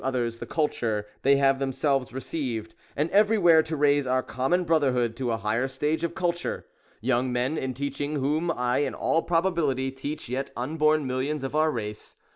others the culture they have themselves received ; and everywhere to raise our common brotherhood to a higher stage of cul ture ;— young men, in teaching whom I in all probability TIIE ABSOLUTE VOCATION OF MAN. 2b teach jet unborn millions of our race.